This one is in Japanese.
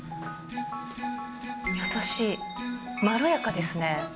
優しい、まろやかですね。